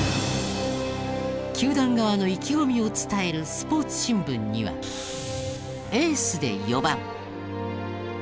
球団側の意気込みを伝えるスポーツ新聞には「エースで４番」。